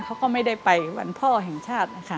เขาก็ไม่ได้ไปวันพ่อแห่งชาตินะคะ